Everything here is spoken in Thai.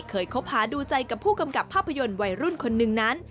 คบหาดูใจกับผู้กำกับภาพยนตร์วัยรุ่นคนหนึ่งนั้น